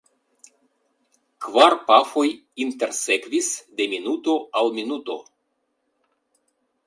Kvar pafoj intersekvis de minuto al minuto.